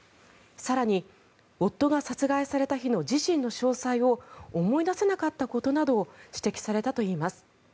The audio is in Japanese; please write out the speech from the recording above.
更に夫が殺害された日の自身の詳細を思い出せなかったことなどを指摘されたといいます。